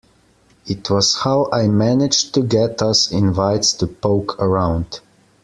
It was how I managed to get us invites to poke around.